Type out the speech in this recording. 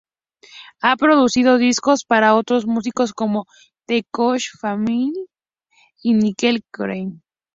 Ha producido discos para otros músicos, como The Cox Family y Nickel Creek.